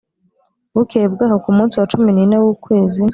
Bukeye bwaho ku munsi wa cumi n ine w ukwezi